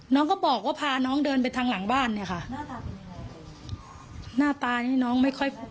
น้องก็บอกว่าพาน้องเดินไปทางหลังบ้านเนี่ยค่ะหน้าหลังหน้าตานี่น้องไม่ค่อย